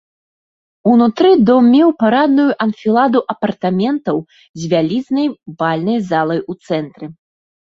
Унутры дом меў парадную анфіладу апартаментаў з вялізнай бальнай залай ў цэнтры.